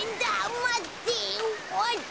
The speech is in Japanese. まって。